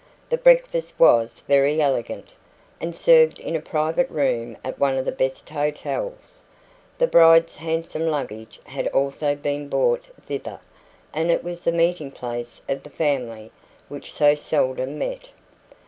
The breakfast was very elegant, and served in a private room at one of the best hotels; the bride's handsome luggage had also been brought thither, and it was the meeting place of the family which so seldom met.